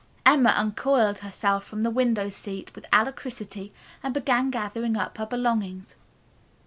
Emma uncoiled herself from the window seat with alacrity and began gathering up her belongings.